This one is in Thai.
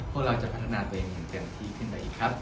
พวกเราจะพัฒนาตัวเองเต็มที่ขึ้นไปอีกครับ